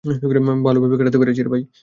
ভালোভাবেই কাটাতে পেরেছি।